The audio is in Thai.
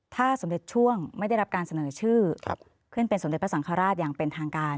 ถ้าสมเด็จช่วงไม่ได้รับการเสนอชื่อขึ้นเป็นสมเด็จพระสังฆราชอย่างเป็นทางการ